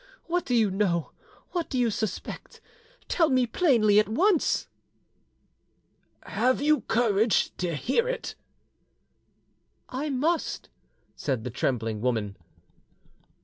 What do you know? What do you suspect? Tell me plainly at once." "Have you courage to hear it?" "I must," said the trembling woman.